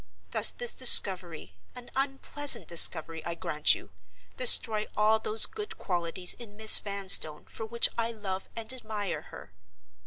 Does this discovery—an unpleasant discovery, I grant you—destroy all those good qualities in Miss Vanstone for which I love and admire her?